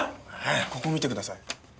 ここ見てください。